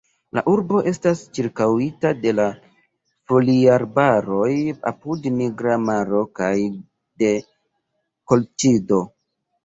La urbo estas ĉirkaŭita de la Foliarbaroj apud Nigra Maro kaj de Kolĉido.